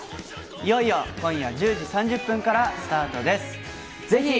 いよいよ今夜１０時３０分からスタートです。